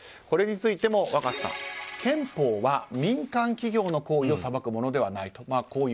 これについても若狭さん憲法は民間企業の行為を裁くものではない。